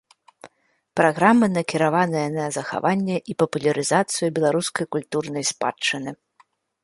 Праграма накіраваная на захаванне і папулярызацыю беларускай культурнай спадчыны.